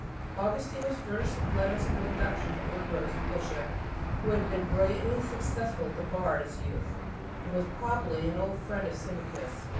Augustine was furnished with letters of introduction to Ambrose, the Bishop, who had been brilliantly successful at the Bar in his youth, and was probably an old friend of Symmachus.